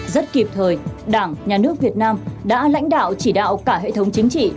rất kịp thời đảng nhà nước việt nam đã lãnh đạo chỉ đạo cả hệ thống chính trị